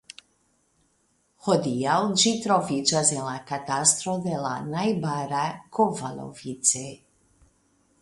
Hodiaŭ ĝi troviĝas en la katastro de la najbara Kovalovice.